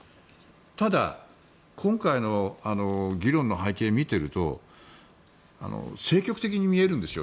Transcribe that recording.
ただ、今回の議論の背景を見ていると政局的に見えるんですよ